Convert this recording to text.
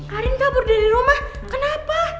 karin kabur dari rumah kenapa